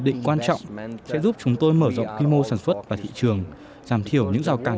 định quan trọng sẽ giúp chúng tôi mở rộng quy mô sản xuất và thị trường giảm thiểu những rào cản